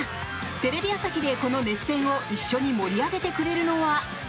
テレビ朝日で、この熱戦を一緒に盛り上げてくれるのは。